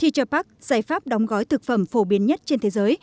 t chapack giải pháp đóng gói thực phẩm phổ biến nhất trên thế giới